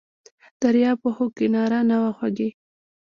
دریاب و خو کناره نه وه خوږې!